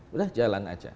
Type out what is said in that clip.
udah jalan aja